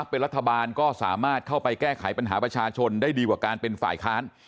เป็นรัฐบาลก็สามารถเข้าไปแก้ไขปัญหาประชาชนได้ดีกว่าการเป็นฝ่ายค้าน